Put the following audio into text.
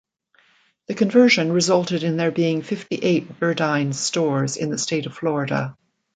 The conversion resulted in there being fifty-eight Burdines stores in the state of Florida.